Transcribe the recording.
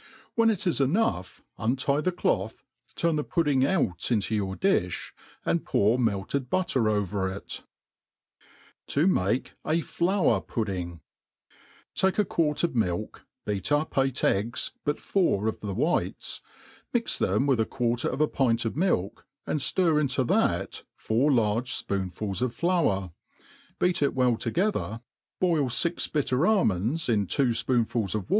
When it is enough, untie the cloth, turn the pud* 'ding out into your difh, and pour melted butter over it* To make a Flour Pudding. TAKE a quart of milk, beat up eight eggs, but four of the 'whites,' mix with them a quarter of a pint of milk, and ftir into ibat four large jpocnfuls of flour^ beat it well together, boil , fix I I MADE PLAIN AND EASY. m^ ^ biUer sdmonds in two (poonfols of